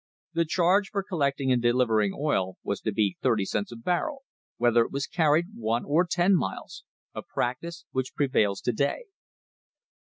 The charge for collecting and delivering oil was to be thirty cents a barrel whether it was carried one or ten miles — a practice which prevails to day.